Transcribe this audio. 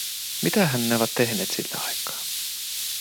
Mitähän ne ovat tehneet sillä aikaa?